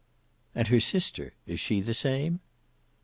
"And her sister, is she the same?"